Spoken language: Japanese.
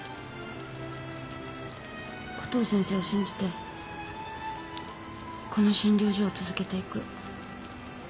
コトー先生を信じてこの診療所を続けていく。